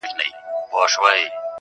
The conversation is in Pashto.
په شاهدۍ به نور هیڅکله آسمان و نه نیسم.